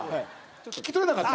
聞き取れなかった？